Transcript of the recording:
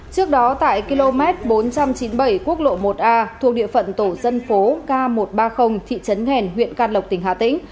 trước đó tại km bốn trăm chín mươi bảy quốc lộ một a thuộc địa phận tổ dân phố k một trăm ba mươi thị trấn nghèn huyện can lộc tỉnh hà tĩnh